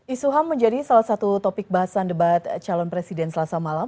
isu ham menjadi salah satu topik bahasan debat calon presiden selasa malam